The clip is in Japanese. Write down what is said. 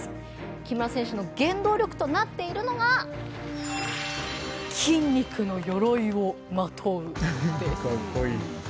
木村選手の原動力となっているのが筋肉のよろいをまとう、です。